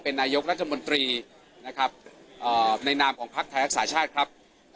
นายกรัฐมนตรีนะครับในนามของพักไทยรักษาชาติครับ